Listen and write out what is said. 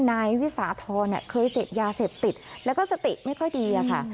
นายวิสาธรณ์เคยเสพยาเสพติดแล้วก็สติไม่ค่อยดีค่ะ